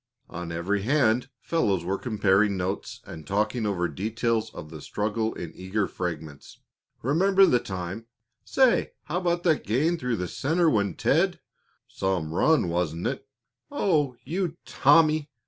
On every hand fellows were comparing notes and talking over details of the struggle in eager fragments. "Remember the time " "Say, how about that gain through center when Ted " "Some run, wasn't it?" "Oh, you Tommy!"